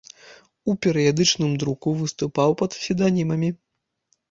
У перыядычным друку выступаў пад псеўданімамі.